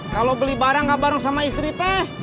kalau beli bareng gak bareng sama istri teh